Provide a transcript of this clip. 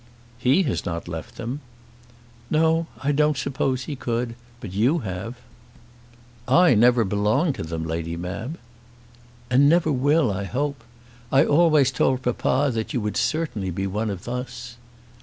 "He has not left them." "No, I don't suppose he could; but you have." "I never belonged to them, Lady Mab." "And never will, I hope. I always told papa that you would certainly be one of us."